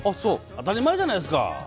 当たり前じゃないですか。